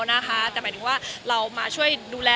แต่หมายถึงว่าเรามาช่วยดูแล